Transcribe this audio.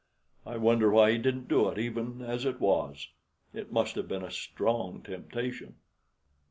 I wonder why he didn't do it even as it was. It must have been a strong temptation."